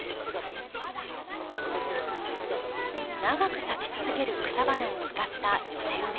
長く咲き続ける草花を使った寄せ植え。